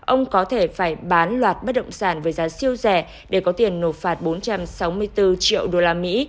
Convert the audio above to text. ông có thể phải bán loạt bất động sản với giá siêu rẻ để có tiền nộp phạt bốn trăm sáu mươi bốn triệu đô la mỹ